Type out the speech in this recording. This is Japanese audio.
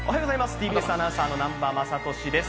ＴＢＳアナウンサーの南波雅俊です。